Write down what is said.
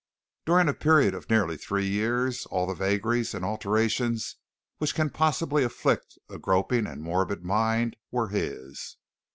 During a period of nearly three years all the vagaries and alterations which can possibly afflict a groping and morbid mind were his.